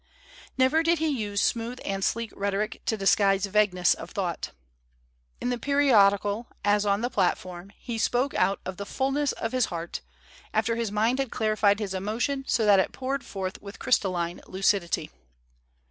Never did he use smooth and sleek rhetoric to disguise vagueness of thought. In the periodical as on the platform he spoke out of the fulness of his heart, after his mind had clarified his emotion so that it poured forth with crystalline lucidity.